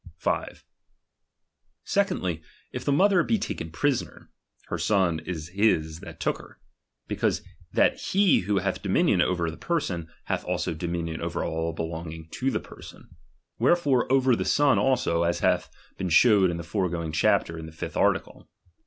5. Secondly, if the mother be taken prisoner, her son is his that took her ; because that he who hath dominion over the person, hath also dominion over all belonging to the person ; wherefore over the son also, as hath been shewed in the foregoing chapter, in the fifth article.